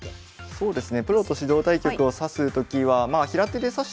そうですね